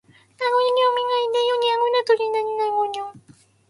学識を磨いて、世に役立つ人材になること。